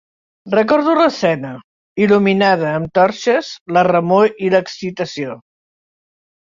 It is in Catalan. Recordo l'escena, il·luminada amb torxes la remor i l'excitació